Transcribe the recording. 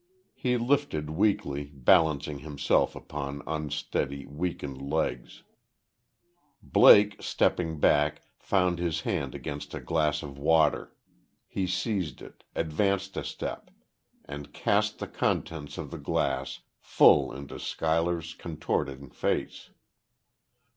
He lifted weakly, balancing himself upon unsteady, weakened legs. Blake, stepping back, found his hand against a glass of water. He seized it advanced a step and cast the contents of the glass full into Schuyler's contorting face....